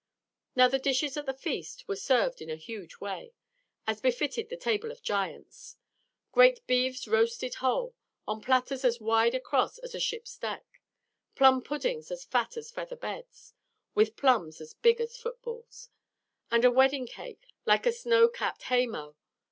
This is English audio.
Now the dishes at the feast were served in a huge way, as befitted the table of giants: great beeves roasted whole, on platters as wide across as a ship's deck; plum puddings as fat as feather beds, with plums as big as footballs; and a wedding cake like a snow capped hay mow.